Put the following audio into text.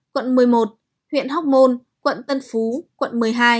quận một mươi một huyện hóc môn quận tân phú quận một mươi hai